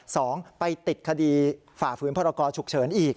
สองไปติดคดีฝ่าฝืนพรกรฉุกเฉินอีก